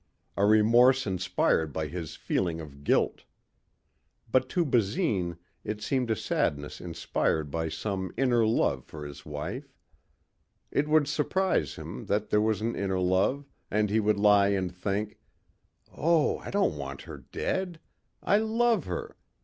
A remorse inspired by his feeling of guilt. But to Basine it seemed a sadness inspired by some inner love for his wife. It would surprise him, that there was an inner love, and he would lie and think, "Oh, I don't want her dead. I love her.